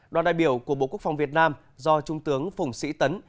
đoàn đại biểu của bộ quốc phòng việt nam do trung tướng phùng sĩ tấn